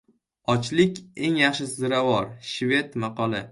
Ochlik — eng yaxshi ziravor. Shved maqoli